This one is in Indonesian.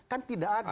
kan tidak ada